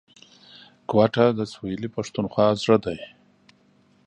کوټه د سویلي پښتونخوا زړه دی